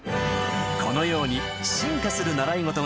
このように進化するやった！